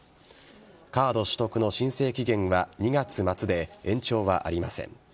カード取得の申請期限は２月末で延長はありません。